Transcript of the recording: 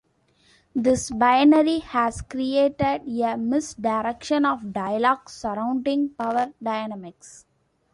This binary has created a misdirection of dialogue surrounding power dynamics.